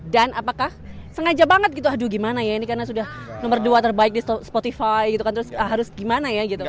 dan apakah sengaja banget gitu aduh gimana ya ini karena sudah nomor dua terbaik di spotify gitu kan terus harus gimana ya gitu